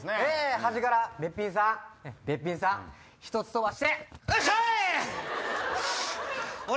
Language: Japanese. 端からべっぴんさんべっぴんさん１つ飛ばしてうっしゃい！